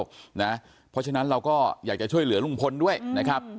เพราะฉะนั้นเราก็อยากจะช่วยเหลือลุงพลด้วยนะครับ